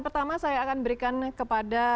pertama saya akan berikan kepada